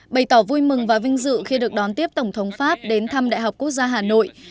bày tỏ vui mừng và vinh dự khi được đón tiếp tổng thống pháp đến thăm đại học quốc gia hà nội